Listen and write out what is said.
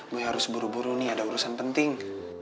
gue harus buru buru nih ada urusan penting